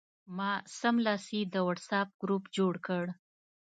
ما سملاسي د وټساپ ګروپ جوړ کړ.